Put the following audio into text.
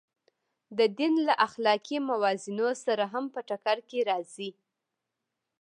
د دین له اخلاقي موازینو سره هم په ټکر کې راځي.